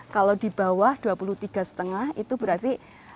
kalau di bawah dua puluh tiga lima itu berarti